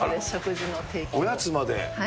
おやつまで？